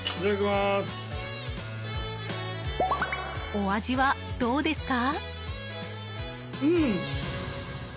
お味はどうですか？